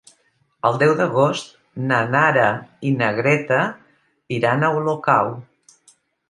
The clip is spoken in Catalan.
El deu d'agost na Nara i na Greta iran a Olocau.